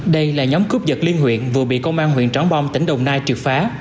đây là nhóm cướp giật liên huyện vừa bị công an huyện trắng bom tỉnh đồng nai triệt phá